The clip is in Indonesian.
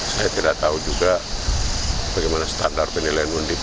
saya tidak tahu juga bagaimana standar penilaian undip